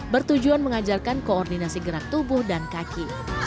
bertujuan mengajarkan koordinasi gerak tubuh dan kaki